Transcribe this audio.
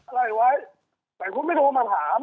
อะไรไว้แต่คุณไม่โทรมาถาม